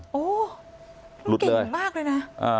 มันเก่งมากเลยนะ